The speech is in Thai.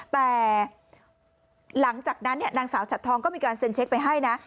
แต่หลังจากนั้นนางสาวฉัดทองก็มีการเซ็นเช็คไปให้นะ